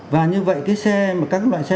và như vậy cái xe mà các loại xe